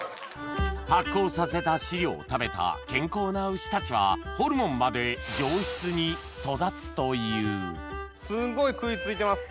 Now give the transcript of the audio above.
発酵させた飼料を食べた健康な牛たちはホルモンまで上質に育つというすっごい食い付いてます。